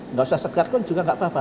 nggak usah segar pun juga nggak apa apa